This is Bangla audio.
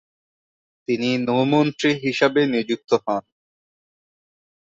তিনি নৌমন্ত্রী হিসাবে নিযুক্ত হন।